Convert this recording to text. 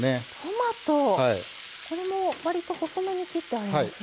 これもわりと細めに切ってありますね。